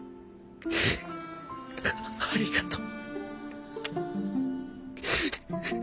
「ありがとう」。